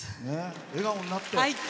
笑顔になって。